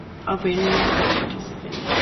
Albania didn’t participate.